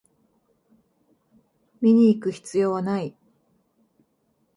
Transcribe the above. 見にいく必要はない